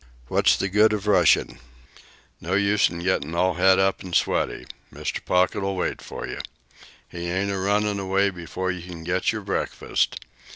"What's the good of rushin'? No use in gettin' all het up an' sweaty. Mr. Pocket'll wait for you. He ain't a runnin' away before you can get your breakfast.